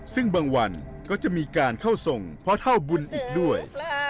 ซึ่งบางวันก็จะมีการเข้าทรงพ่อเท่าบุญอีกด้วย